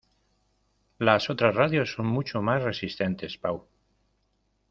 ¡Las otras radios son mucho más resistentes, Pau!